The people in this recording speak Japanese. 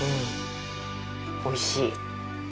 Δおいしい。